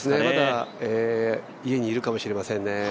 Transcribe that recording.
まだ、家にいるかもしれませんね。